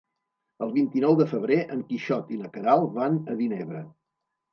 El vint-i-nou de febrer en Quixot i na Queralt van a Vinebre.